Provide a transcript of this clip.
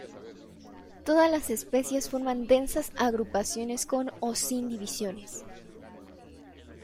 Todas las especies forman densas agrupaciones con o sin divisiones.